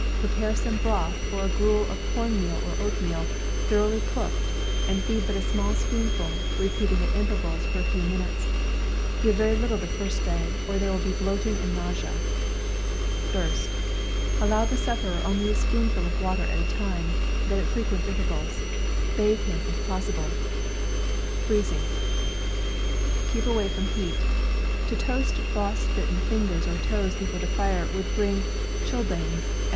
Pre pare some broth, or a gruel of corn meal or oatmeal ... thoroughly cooked, and feed but a small ^* spoonful, repeating at intervals of a few minutes. Give very little the first day, or there will be bloating and nausea. Allow the sufferer only a spoonful of water at a time, but at frequent inter vals. Bathe him, if possible. Keep away from heat. To toast frost bitten fingers or toes before the fire would bring chilblains, and _